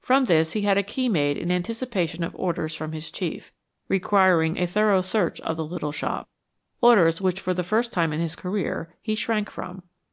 From this he had a key made in anticipation of orders from his chief, requiring a thorough search of the little shop orders which for the first time in his career, he shrank from.